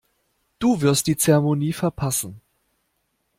Du wirst die Zeremonie verpassen.